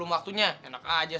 mau melahirkan mas